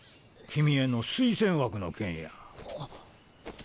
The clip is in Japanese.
君への推薦枠の件や。